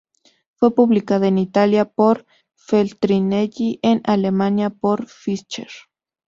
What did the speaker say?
Fue publicada en Italia por Feltrinelli, en Alemania por Fischer.